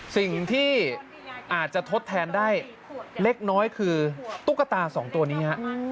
สิ่งที่อาจจะทดแทนได้เล็กน้อยคือตุ๊กตาสองตัวนี้ฮะ